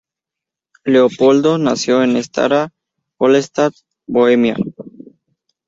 Leopoldo nació en Stará Boleslav, Bohemia.